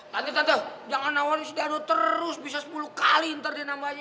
nanti tante jangan nawarin si dado terus bisa sepuluh kali ntar dia nambahnya